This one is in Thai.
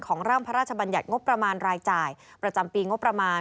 ร่างพระราชบัญญัติงบประมาณรายจ่ายประจำปีงบประมาณ